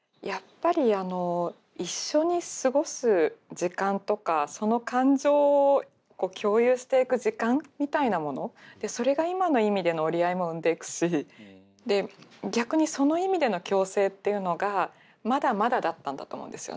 やっぱり一緒に過ごす時間とかその感情を共有していく時間みたいなものそれが今の意味での折り合いも生んでいくしで逆にその意味での共生っていうのがまだまだだったんだと思うんですよね。